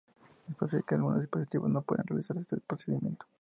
Es posible que en algunos dispositivos no pueda realizarse este procedimiento.